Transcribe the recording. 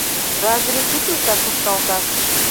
Разрешитлыза кушталташ.